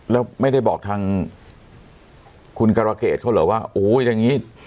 แล้วไม่ได้บอกทางคุณกรเกษเขาเหรอว่าโอ้โหอย่างนี้